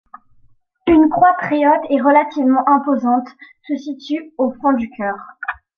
Une croix très haute et relativement imposante se situe au fond du chœur.